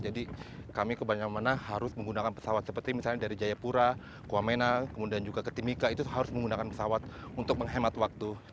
jadi kami kebanyakan harus menggunakan pesawat seperti misalnya dari jayapura kuamena kemudian juga ketimika itu harus menggunakan pesawat untuk menghemat waktu